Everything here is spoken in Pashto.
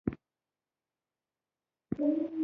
د دې وسیلې په اختراع سره ژوند بدل شو.